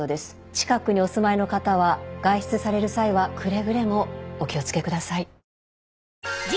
近くにお住まいの方は外出される際はくれぐれもお気を付けください。